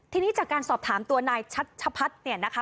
ทีนี้จากการสอบถามตัวนายชัชพัฒน์เนี่ยนะคะ